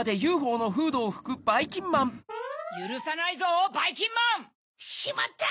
ゆるさないぞばいきんまん！しまった！